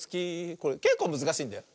これけっこうむずかしいんだよ。